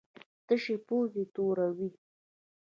تشې پوزې توروي.